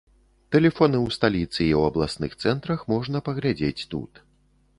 Тэлефоны ў сталіцы і ў абласных цэнтрах можна паглядзець тут.